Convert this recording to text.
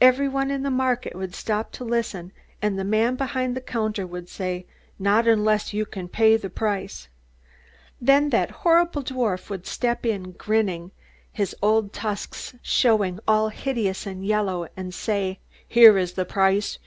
Everybody in the market would stop to listen, and the man behind the counter would say, 'Not unless you can pay the price.' "Then that horrible dwarf would step up, grinning, his old tusks showing all hideous and yellow, and say, 'Here is the price!